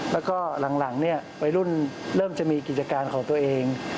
แล้วก็หลังเนี่ยวัยรุ่นเริ่มจะมีกิจการของตัวเอง